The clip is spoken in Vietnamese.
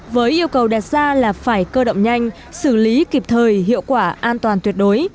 với yêu cầu đặt ra là phải cơ động nhanh xử lý kịp thời hiệu quả an toàn tuyệt đối